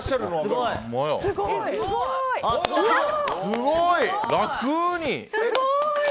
すごい！